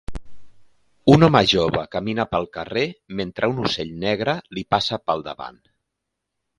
Un home jove camina pel carrer mentre un ocell negre li passa pel davant.